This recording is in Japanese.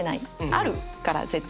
あるから絶対に。